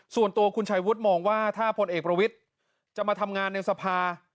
ส่วนตัวคุณชัยวุฒิมองว่าถ้าพลเอกประวิทย์จะมาทำงานในสภา